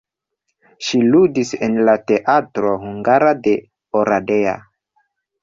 Ŝi ludis en la teatro hungara de Oradea.